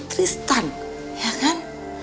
tristan ya kan